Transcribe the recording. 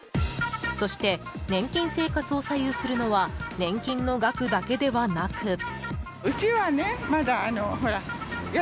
そして、年金生活を左右するのは年金の額だけではなく。